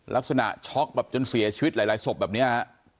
ลักษณะช็อกแบบจนเสียชีวิตหลายศพแบบนี้ฮะ